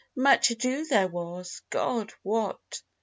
Much ado there was, God wot!